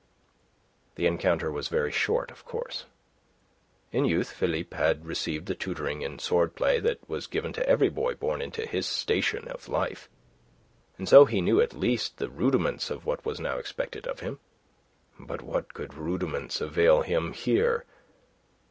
The encounter was very short, of course. In youth, Philippe had received the tutoring in sword play that was given to every boy born into his station of life. And so he knew at least the rudiments of what was now expected of him. But what could rudiments avail him here?